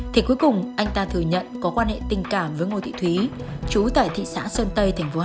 thì cuối cùng anh ta thừa nhận có quan hệ tình cảm với ngô thị thúy chú tại thị xã sơn tây thành phố hà nội